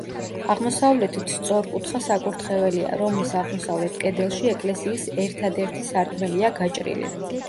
აღმოსავლეთით სწორკუთხა საკურთხეველია, რომლის აღმოსავლეთ კედელში ეკლესიის ერთადერთი სარკმელია გაჭრილი.